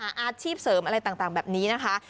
อาชีพเสริมอะไรต่างแบบนี้นะคะ